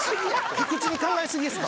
卑屈に考え過ぎですか？